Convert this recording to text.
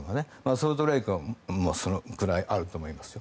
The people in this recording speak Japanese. ソルトレークシティーもそれくらいあると思いますよ。